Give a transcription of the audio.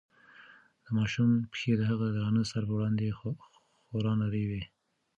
د ماشوم پښې د هغه د درانه سر په وړاندې خورا نرۍ وې.